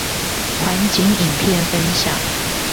環景影片分享